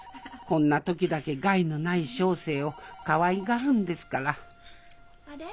こんな時だけ害のない小生をかわいがるんですから・☎あれ？